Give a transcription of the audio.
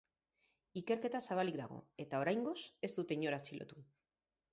Ikerketa zabalik dago, eta oraingoz ez dute inor atxilotu.